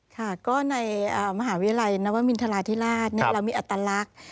ค่ะก็ในมหาวิทยาลัยนวมินทราธิราชเรามีอัตลักษณ์